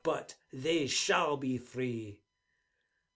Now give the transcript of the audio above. But they shall be free!